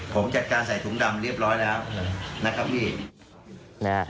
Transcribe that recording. ผมจัดการใส่ถุงดำเรียบร้อยแล้ว